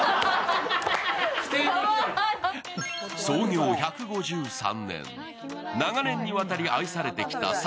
創業１５３年、長年にわたり愛されてきた